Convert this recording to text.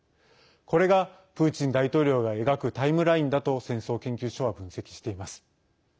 これが、プーチン大統領が描くタイムラインだと戦争研究所は分析しています。